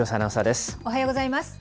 おはようございます。